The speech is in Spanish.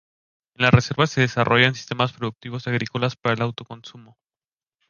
En la Reserva se desarrollan sistemas productivos agrícolas para el autoconsumo.